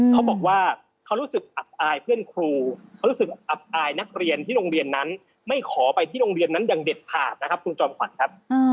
เขาบอกว่าเขารู้สึกอับอายเพื่อนครูเขารู้สึกอับอายนักเรียนที่โรงเรียนนั้นไม่ขอไปที่โรงเรียนนั้นอย่างเด็ดขาดนะครับคุณจอมขวัญครับ